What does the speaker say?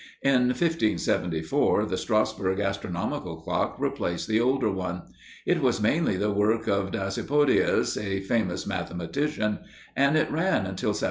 In 1574, the Strassburg astronomical clock replaced the older one. It was mainly the work of Dasypodius, a famous mathematician, and it ran until 1789.